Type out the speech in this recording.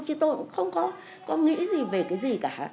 chứ tôi cũng không có nghĩ gì về cái gì cả